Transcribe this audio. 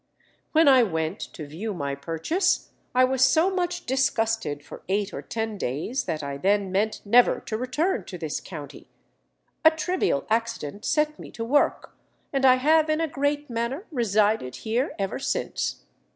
"When I went to view my purchase, I was so much disgusted for eight or ten days that I then meant never to return to this county. A trivial accident set me to work, and I have in a great manner resided here ever since....